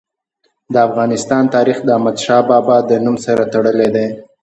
د افغانستان تاریخ د احمد شاه بابا د نوم سره تړلی دی.